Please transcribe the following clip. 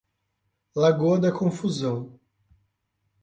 Lagoa da Confusão